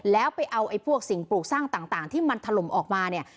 แล้วไปเอาไอ้พวกสิ่งปลูกสร้างต่างที่มันถล่มออกมาเนี่ย